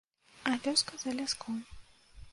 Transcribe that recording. А вёска за ляском.